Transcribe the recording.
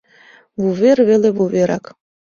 «Вувер веле, вуверак